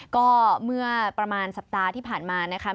ก็เมื่อประมาณสัปดาห์ที่ผ่านมานะคะ